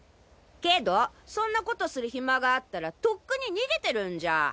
けどそんな事するヒマがあったらとっくに逃げてるんじゃ。